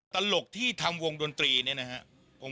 ตลกที่ทำวงดนตรีเนี่ยนะครับ